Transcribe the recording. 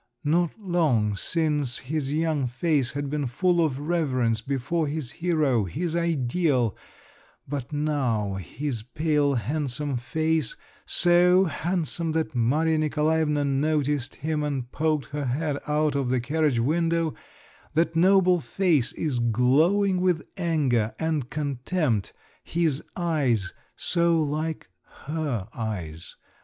Not long since his young face had been full of reverence before his hero, his ideal, but now his pale handsome face, so handsome that Maria Nikolaevna noticed him and poked her head out of the carriage window, that noble face is glowing with anger and contempt; his eyes, so like her eyes!